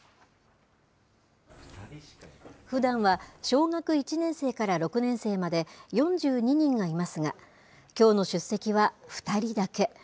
ふだんは小学１年生から６年生まで、４２人がいますが、きょうの出席は２人だけ。